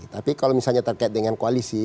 tapi kalau misalnya terkait dengan koalisi